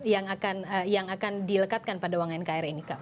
yang akan dilekatkan pada bank nkri ini kak